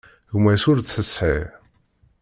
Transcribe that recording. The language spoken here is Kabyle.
Gma-s ur t-tesεi.